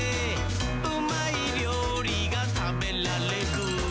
「うまいりょうりがたべらレグ！」